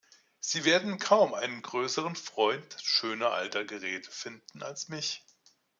Sie werden kaum einen größeren Freund schöner alter Geräte finden als mich.